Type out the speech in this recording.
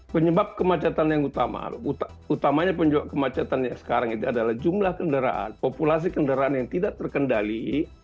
penyebab kemacetan yang utama utamanya penyebab kemacetan yang sekarang itu adalah jumlah kendaraan populasi kendaraan yang tidak terkendali